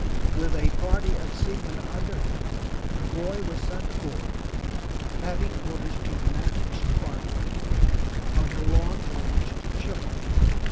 With a party of seamen under him, the boy was sent aboard, having orders to manage the Barclay on her long voyage to Chile.